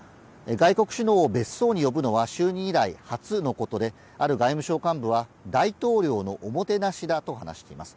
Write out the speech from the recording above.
外国首脳を別荘に呼ぶのは就任以来初のことで、ある外務省幹部は、大統領のおもてなしだと話しています。